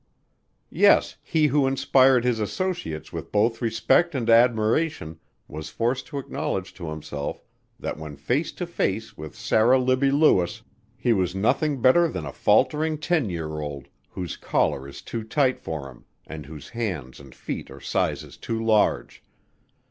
Yes, he who inspired his associates with both respect and admiration was forced to acknowledge to himself that when face to face with Sarah Libbie Lewis he was nothing better than a faltering ten year old whose collar is too tight for him, and whose hands and feet are sizes too large.